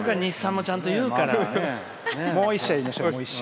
もう一社言いましょう。